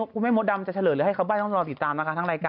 คุณแม่มดดำจะเฉลยหรือให้เขาใบ้ต้องรอติดตามนะคะทั้งรายการ